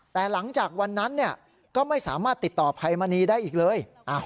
แต่หลังจากวันนั้นก็ไม่สามารถติดต่อภัยมณีได้อีกเลย